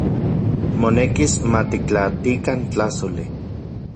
Monekis matiktlatikan tlajsoli.